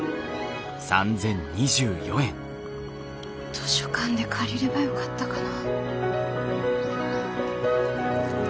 図書館で借りればよかったかな。